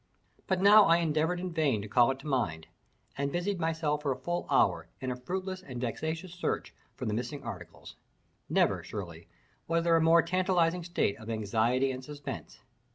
But now I endeavored in vain to call it to mind, and busied myself for a full hour in a fruitless and vexatious search for the missing articles; never, surely, was there a more tantalizing state of anxiety and suspense.